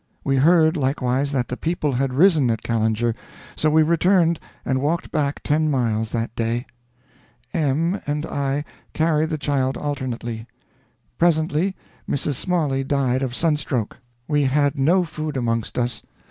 We heard, likewise, that the people had risen at Callinger, so we returned and walked back ten miles that day. M and I carried the child alternately. Presently Mrs. Smalley died of sunstroke. We had no food amongst us.